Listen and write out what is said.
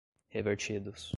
revertidos